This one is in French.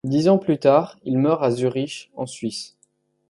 Dix ans plus tard, il meurt à Zurich, en Suisse.